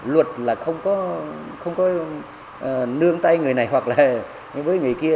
luật là không có nương tay người này hoặc người kia